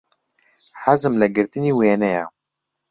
حەزم لە گرتنی وێنەیە.